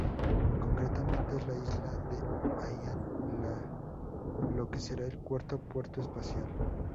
Concretamente, en la isla de Hainan, lo que será el cuarto puerto espacial.